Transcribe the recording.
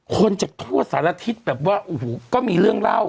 คนจะทั่วสารทิศแบบว่าก็มีเรื่องเล่า